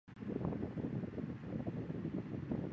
原籍无锡。